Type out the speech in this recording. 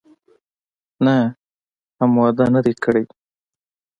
نه، هم واده نه دی کړی.